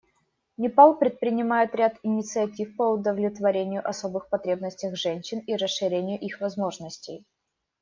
Непал предпринимает ряд инициатив по удовлетворению особых потребностей женщин и расширению их возможностей.